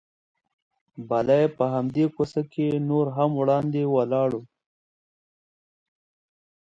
بلې، په همدې کوڅه کې نور هم وړاندې ولاړو.